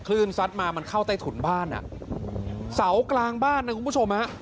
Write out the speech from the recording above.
ซัดมามันเข้าใต้ถุนบ้านอ่ะเสากลางบ้านนะคุณผู้ชมฮะ